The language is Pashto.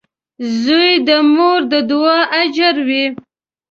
• زوی د مور د دعا اجر وي.